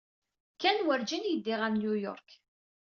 Ken werjin yeddi ɣer New York.